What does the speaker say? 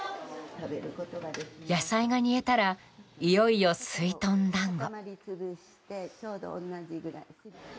野菜が煮えたらいよいよ、すいとん団子。